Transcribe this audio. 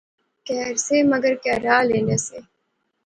کہھر سے مگر کہھر آلے نہسے